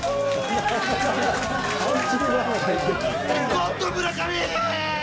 ゴッド村上！